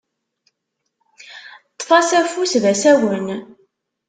Ṭṭef-as afus d asawen.